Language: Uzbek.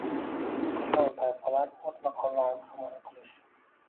Hukmron toifalar o‘z maqomlarini himoya qilish